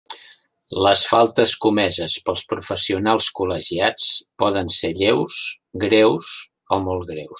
Les faltes comeses pels professionals col·legiats poden ser lleus, greus o molt greus.